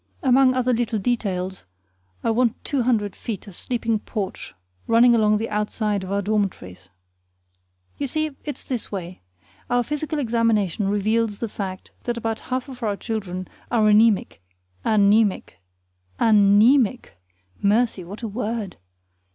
Among other little details I want two hundred feet of sleeping porch running along the outside of our dormitories. You see, it's this way: our physical examination reveals the fact that about half of our children are aenemic aneamic anaemic (Mercy! what a word!)